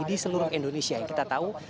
di seluruh indonesia yang kita tahu